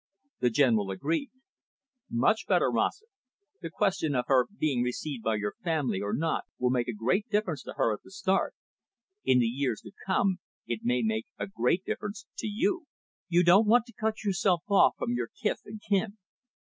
The General agreed. "Much better, Rossett. The question of her being received by your family or not will make a great difference to her at the start. In the years to come, it may make a great difference to you. You don't want to cut yourself off from your kith and kin."